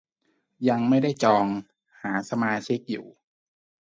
ยังไม่ได้จอง หาสมาชิกอยู่